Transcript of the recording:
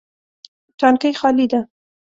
تانکی خالي ده